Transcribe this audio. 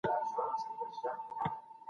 هغې راته وویل چي د توکو کیفیت باید لوړ سي.